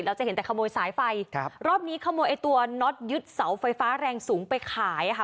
จะเห็นแต่ขโมยสายไฟครับรอบนี้ขโมยไอ้ตัวน็อตยึดเสาไฟฟ้าแรงสูงไปขายอ่ะค่ะ